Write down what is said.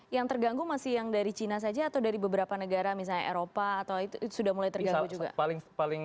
yang terganggu masih yang dari cina saja atau dari beberapa negara misalnya eropa atau itu sudah mulai terganggu juga